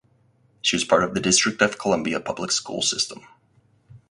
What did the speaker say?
She was part of the District of Columbia Public Schools system.